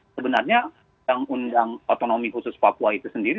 sebenarnya yang undang otonomi khusus papua itu sendiri